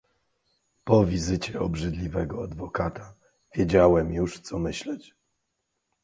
"Po wizycie obrzydliwego adwokata, wiedziałem już co myśleć."